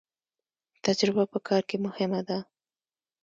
تجربه په کار کې مهمه ده